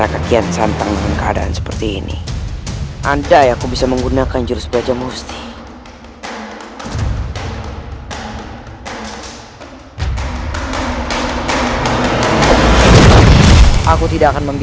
aku tidak akan membiarkannya lari kali ini